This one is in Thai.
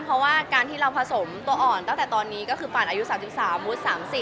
เพราะว่าการที่เราผสมตัวอ่อนตั้งแต่ตอนนี้ก็คือปั่นอายุ๓๓มุด๓๐